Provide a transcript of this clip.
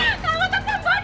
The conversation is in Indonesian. kamu tetap bodoh